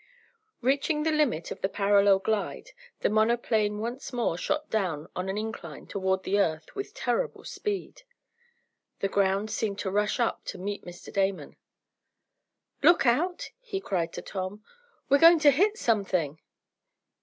Reaching the limit of the parallel glide the monoplane once more shot down on an incline toward the earth with terrible speed. The ground seemed to rush up to meet Mr. Damon. "Look out!" he cried to Tom. "We're going to hit something!"